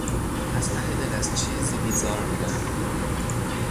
از ته دل از چیزی بیزار بودن